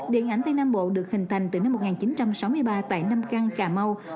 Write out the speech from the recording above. điện ảnh tây nam bộ được hình thành từ năm một nghìn chín trăm sáu mươi ba tại nam căng cà mau